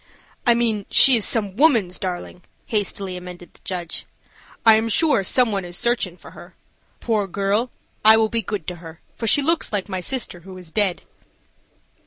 "I mean she is some woman's darling," hastily amended the judge. "I am sure some one is searching for her. Poor girl, I will be good to her, for she looks like my sister, who is dead."